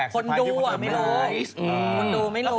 คนดูอ่ะไม่รู้